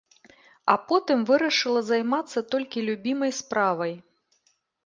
А потым вырашыла займацца толькі любімай справай.